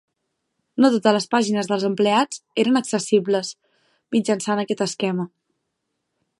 No totes les pàgines dels empleats eren accessibles mitjançant aquest esquema.